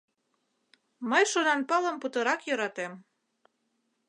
Мый шонанпылым путырак йӧратем.